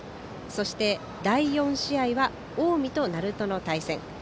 そして第４試合は近江と鳴門の対戦。